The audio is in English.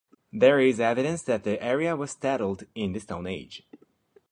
There is evidence that the area was settled in the Stone Age.